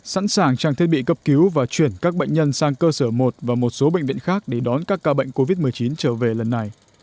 sẵn sàng trang thiết bị cấp cứu và chuyển các bệnh nhân sang cơ sở một và một số bệnh viện khác để đón các ca bệnh covid một mươi chín trở về lần này